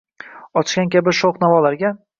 Ochgan kabi shoʻx navolarga –